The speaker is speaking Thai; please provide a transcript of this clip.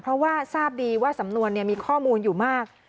เพราะว่าทราบดีว่าสำนวนมีข้อมูลอยู่มาก